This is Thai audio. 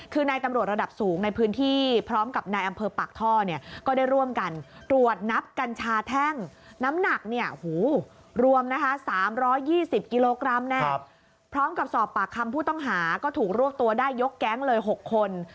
๑๒๐กิโลกรัมเนี่ยพร้อมกับสอบปากคำผู้ต้องหาก็ถูกลวกตัวได้ยกแก๊งเลย๖คน